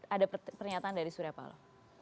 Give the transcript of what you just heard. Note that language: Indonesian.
ada pernyataan dari surya palo